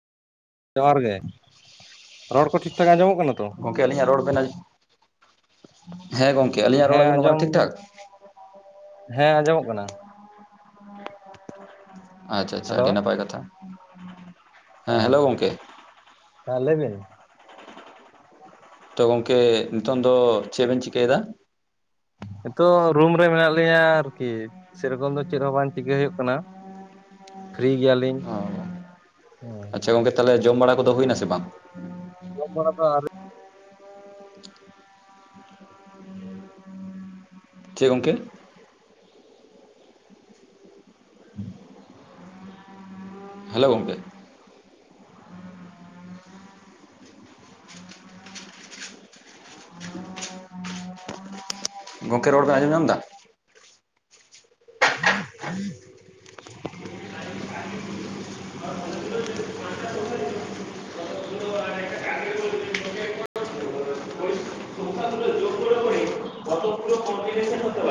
ᱡᱚᱦᱟᱨ ᱜᱮ ᱨᱚᱲ ᱠᱚ ᱴᱷᱤᱠ ᱴᱷᱟᱠ ᱟᱸᱡᱚᱢᱚᱜ ᱠᱟᱱᱟ ᱛᱚ ᱜᱚᱝᱠᱮ ᱟᱞᱤᱧᱟᱜ ᱨᱚᱲ ᱵᱮᱱ ᱦᱮᱸ ᱜᱚᱝᱠᱮ ᱟᱹᱞᱤᱧᱟᱜ ᱨᱚᱲ ᱦᱮᱸ ᱟᱸᱡᱚᱢᱚᱜ ᱠᱟᱱᱟ ᱟᱸᱡᱚᱢ ᱴᱷᱤᱠ ᱴᱷᱟᱠ ᱦᱮᱸ ᱟᱸᱡᱚᱢᱚᱜ ᱠᱟᱱᱟ ᱟᱪᱪᱷᱟ ᱟᱪᱪᱷᱟ ᱦᱮᱞᱳ ᱟᱹᱰᱤ ᱱᱟᱯᱟᱭ ᱠᱟᱛᱷᱟ ᱦᱮ ᱦᱮᱸ ᱦᱮᱞᱳ ᱜᱚᱝᱠᱮ ᱦᱮ ᱞᱟᱹᱭ ᱵᱤᱱ ᱛᱚ ᱜᱚᱝᱠᱮ ᱱᱤᱛᱚᱝ ᱫᱚ ᱪᱮᱫ ᱵᱮᱱ ᱪᱤᱠᱟᱹᱭᱮᱫᱟ ᱱᱤᱛᱚᱜ ᱨᱩᱢ ᱨᱮ ᱢᱮᱱᱟᱜ ᱞᱤᱧᱟᱹ ᱟᱨᱠᱤ ᱥᱮᱨᱚᱠᱚᱢ ᱫᱚ ᱪᱮᱫ ᱦᱚᱸ ᱵᱟᱝ ᱪᱤᱠᱟᱹ ᱦᱩᱭᱩᱜ ᱠᱟᱱᱟ ᱯᱷᱨᱤ ᱜᱮᱭᱟ ᱞᱤᱧ ᱚ ᱟᱪᱪᱷᱟ ᱦᱮᱸ ᱜᱚᱝᱠᱮ ᱛᱟᱦᱚᱞᱮ ᱡᱚᱢ ᱵᱟᱲᱟ ᱠᱚᱫᱚ ᱦᱩᱭᱱᱟ ᱥᱮ ᱵᱟᱝ ᱡᱚᱢ ᱵᱟᱲᱟ ᱫᱚ ᱟᱹᱣᱨᱤ ᱪᱮᱫ ᱜᱚᱢᱠᱮ ᱦᱮᱞᱳ ᱜᱚᱢᱠᱮ ᱜᱚᱢᱠᱮ ᱨᱚᱲ ᱵᱤᱱ ᱟᱡᱚᱢ ᱧᱟᱢ ᱫᱟ